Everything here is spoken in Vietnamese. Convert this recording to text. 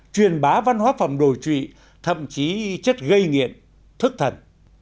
truyền bá văn hóa phòng đồi trụy thậm chí chất gây nghiện thức thần